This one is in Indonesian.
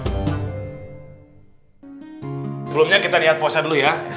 sebelumnya kita lihat puasa dulu ya